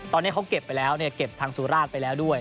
ตอนนี้เขาเก็บไปแล้วเนี่ยเก็บทางสุราชไปแล้วด้วย